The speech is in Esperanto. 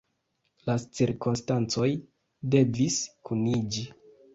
La cirkonstancoj devis kuniĝi.